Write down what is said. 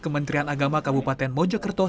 kementerian agama kabupaten mojokerto